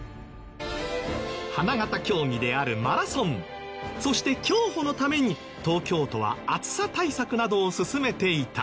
花形競技であるマラソンそして競歩のために東京都は暑さ対策などを進めていた。